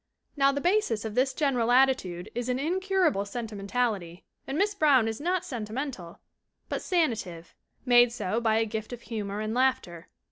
Now the basis of this general attitude is an incur able sentimentality, and Miss Brown is not senti mental but sanative, made so by a gift of humor and laughter.